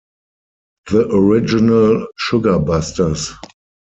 The original Sugar Busters!